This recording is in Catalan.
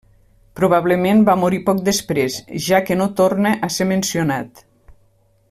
Probablement va morir poc després, ja que no torna a ser mencionat.